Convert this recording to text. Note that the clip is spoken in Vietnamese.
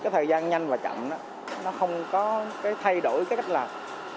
thời gian nhanh và chậm không có thay đổi cách làm